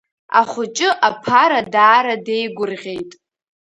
Ахәыҷы аԥара даара деигәырӷьеит.